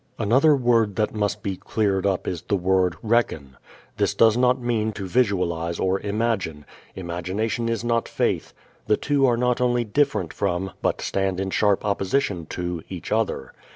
Another word that must be cleared up is the word reckon. This does not mean to visualize or imagine. Imagination is not faith. The two are not only different from, but stand in sharp opposition to, each other.